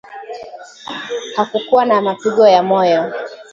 hakukuwa na mapigo ya moyo